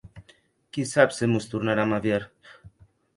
Qui sap se mos tornaram a vier!